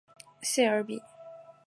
谢尔比。